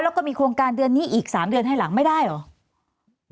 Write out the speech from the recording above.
แล้วก็มีโครงการเดือนนี้อีก๓เดือนให้หลังไม่ได้เหรอ